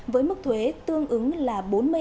với mức thuế tương ứng là bốn mươi hai chín mươi chín